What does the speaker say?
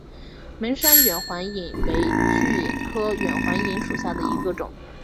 梅山远环蚓为巨蚓科远环蚓属下的一个种。